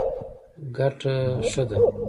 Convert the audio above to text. ګټه ښه ده.